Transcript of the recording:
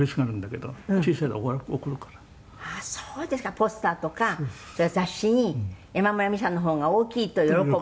「ポスターとかそういう雑誌に山村美紗の方が大きいと喜ぶ」